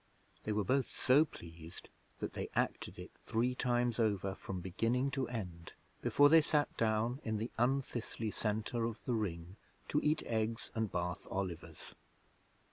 They were both so pleased that they acted it three times over from beginning to end before they sat down in the unthistly centre of the Ring to eat eggs and Bath Olivers.